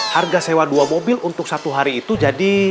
harga sewa dua mobil untuk satu hari itu jadi